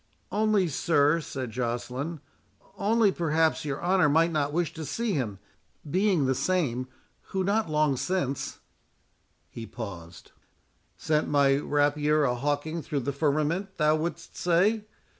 "Only, sir," said Joceline, "only perhaps your honour might not wish to see him, being the same who, not long since"— He paused. "Sent my rapier a hawking through the firmament, thou wouldst say?